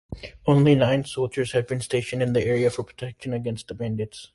Only nine soldiers had been stationed in the area for protection against the bandits.